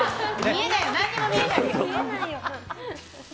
何も見えないよ！